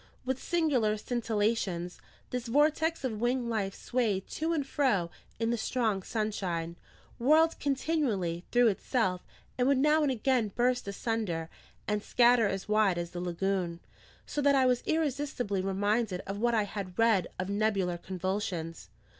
With singular scintillations, this vortex of winged life swayed to and fro in the strong sunshine, whirled continually through itself, and would now and again burst asunder and scatter as wide as the lagoon: so that I was irresistibly reminded of what I had read of nebular convulsions.